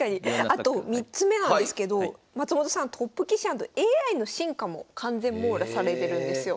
あと３つ目なんですけど松本さんトップ棋士＆ＡＩの進化も完全網羅されてるんですよ。